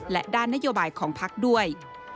และด้านนโยบายของพักด้วย